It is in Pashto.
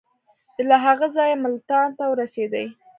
له هغه ځایه ملتان ته ورسېدی.